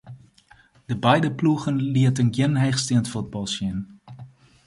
De beide ploegen lieten gjin heechsteand fuotbal sjen.